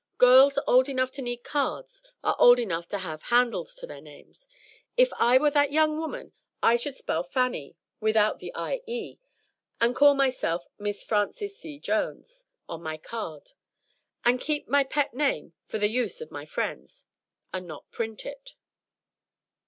Girls old enough to need cards are old enough to have 'handles to their names.' If I were that young woman I should spell 'Fanny' without the ie, and call myself 'Miss Frances C. Jones' on my card, and keep my pet name for the use of my friends, and not print it."